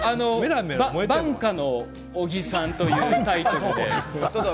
晩夏の小木さんというタイトルです。